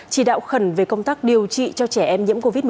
chỉ đạo khẩn về công tác điều trị cho trẻ em nhiễm covid một mươi chín